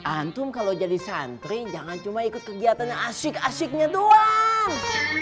antum kalau jadi santri jangan cuma ikut kegiatan yang asik asiknya doang